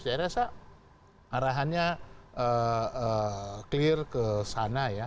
saya rasa arahannya clear ke sana ya